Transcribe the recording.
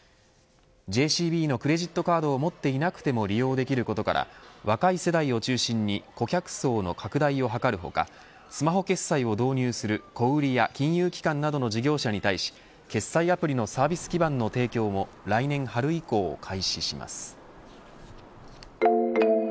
ＪＣＢのクレジットカードを持っていなくても利用できることから若い世代を中心に顧客層の拡大を図る他スマホ決済を導入する小売りや金融機関などの事業者に対し掲載アプリのサービス基盤の提供も来年春以降、開始します。